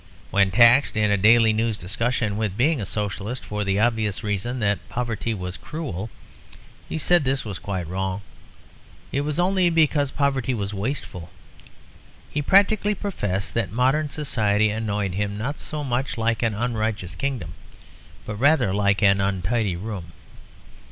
When taxed in a Daily News discussion with being a Socialist for the obvious reason that poverty was cruel, he said this was quite wrong; it was only because poverty was wasteful. He practically professed that modern society annoyed him, not so much like an unrighteous kingdom, but rather like an untidy room.